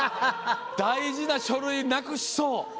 大事な書類、なくしそう。